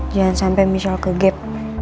jangan sampai michelle kegep